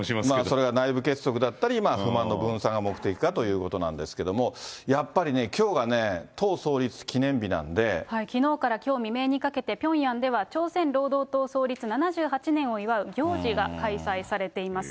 それが内部結束だったり、不満の分散が目的かということなんですけども、やっぱりね、きょきのうからきょう未明にかけて、ピョンヤンでは朝鮮労働党創立７８年を祝う行事が開催されています。